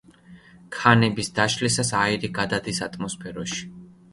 ქანების დაშლისას აირი გადადის ატმოსფეროში.